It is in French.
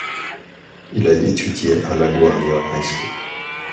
Il a étudié a LaGuardia High School.